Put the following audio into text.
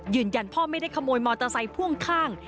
ยืนยันพ่อไม่ได้ขโมยมอเตอร์ไซค์พ่วงข้าง